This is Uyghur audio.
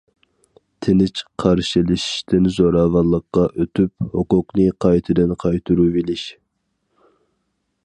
تىنچ قارشىلىشىشتىن زوراۋانلىققا ئۆتۈپ، ھوقۇقنى قايتىدىن قايتۇرۇۋېلىش.